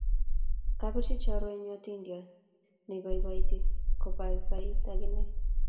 Kapirchi chorwennyu atindyonyu neipoipoiti kopaipait akine